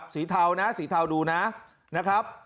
สีเทานะสีเทาดูนะ